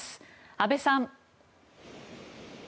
阿部さん。